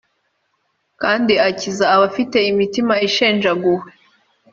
kandi akiza abafite imitima ishenjaguwe